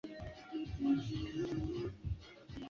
wa miamba waligundua mlundikano mkubwa wa gesi